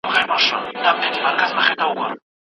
که ښکلا ییز حس ونه لرې څېړنه به دي بي خونده وي.